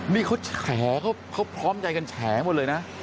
นี่เขาแฉเขาพร้อมใจกันแฉหมดเลยนะ